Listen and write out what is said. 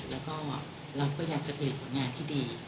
แล้วก็เราก็อยากจะเกลียดของงานที่ดี